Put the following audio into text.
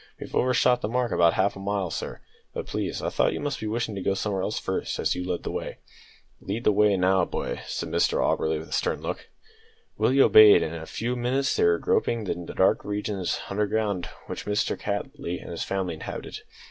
"We've overshot the mark about half a mile, sir. But, please, I thought you must be wishin' to go somewhere else first, as you led the way." "Lead the way, now, boy," said Mr Auberly, with a stern look. Willie obeyed, and in a few minutes they were groping in the dark regions underground which Mr Cattley and his family inhabited.